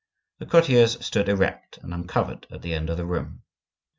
The courtiers stood erect and uncovered at the end of the room.